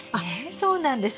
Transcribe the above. そうなんです。